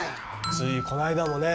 ついこの間もね。